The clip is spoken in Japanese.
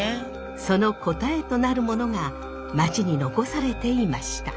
その答えとなるものが町に残されていました。